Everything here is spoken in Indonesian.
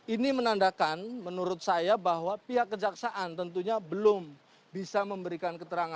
ini menandakan menurut saya bahwa pihak kejaksaan tentunya belum bisa memberikan keterangan